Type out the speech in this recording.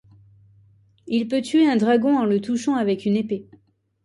Il peut tuer un dragon en le touchant avec une épée.